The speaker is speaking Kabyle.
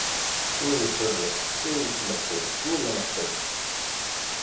Ur iferres, ur yettleqqim, ur ineqqec.